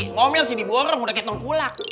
komil sih diboreng udah ketengkulak